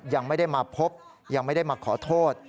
ยังไม่ได้มาพบยังไม่ได้มาขอโทษ